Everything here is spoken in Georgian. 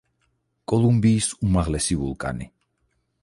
კოლუმბიის უმაღლესი ვულკანი.